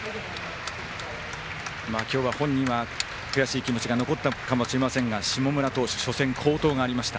今日は本人は悔しい気持ち残ったかもしれませんが下村投手、初戦好投がありました。